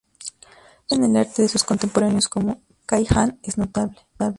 Su influencia en el arte de sus contemporáneos, como Cai Han, es notable.